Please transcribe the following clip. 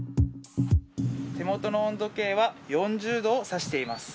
手元の温度計は４０度を指しています。